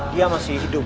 dia masih hidup